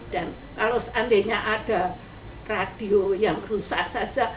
dan kalau seandainya ada radio yang rusak saja